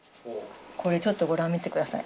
これちょっと見てください。